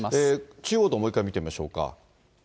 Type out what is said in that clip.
中央道、もう一回見てみましょうか。